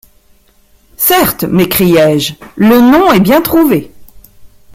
Certes, m’écriai-je, le nom est bien trouvé!